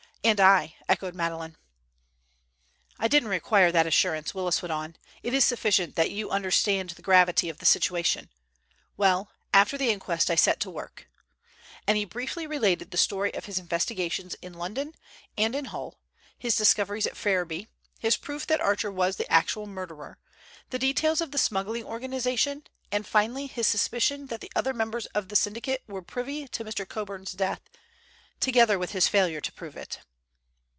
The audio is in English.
"And I," echoed Madeleine. "I didn't require that assurance," Willis went on. "It is sufficient that you understand the gravity of the situation. Well, after the inquest I set to work," and he briefly related the story of his investigations in London and in Hull, his discoveries at Ferriby, his proof that Archer was the actual murderer, the details of the smuggling organization and, finally, his suspicion that the other members of the syndicate were privy to Mr. Coburn's death, together with his failure to prove it.